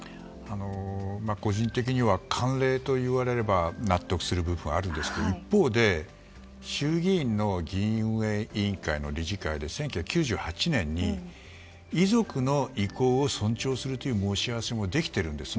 個人的には慣例といわれれば納得する部分はあるんですけど一方で衆議院の議院運営委員会の理事会で１９９８年に遺族の意向を尊重するという申し合わせもできているんです。